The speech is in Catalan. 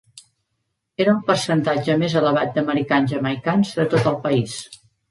Era el percentatge més elevat d'americans jamaicans de tot el país.